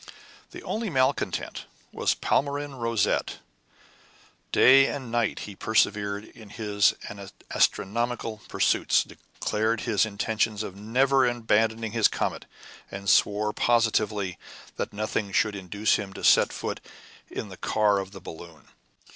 The only malcontent was Palmyrin Rosette. Day and night he persevered in his astronomical pursuits, declared his intention of never abandoning his comet, and swore positively that nothing should induce him to set foot in the car of the balloon.